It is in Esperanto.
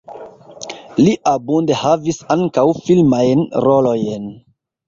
Li abunde havis ankaŭ filmajn rolojn.